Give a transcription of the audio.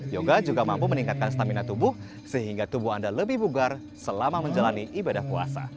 yoga juga mampu meningkatkan stamina tubuh sehingga tubuh anda lebih bugar selama menjalani ibadah puasa